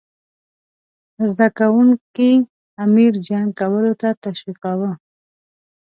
زده کوونکي امیر جنګ کولو ته تشویقاووه.